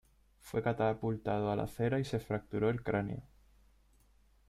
Fue catapultado a la acera y se fracturó el cráneo.